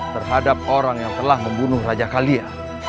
terhadap orang yang telah membunuh raja kalian